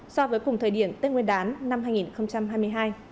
so với cùng thời điểm tết nguyên đán năm hai nghìn hai mươi hai